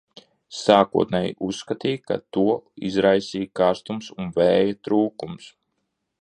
Sākotnēji uzskatīja, ka to izraisīja karstums un vēja trūkums.